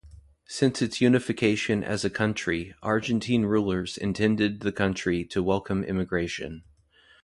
Since its unification as a country, Argentine rulers intended the country to welcome immigration.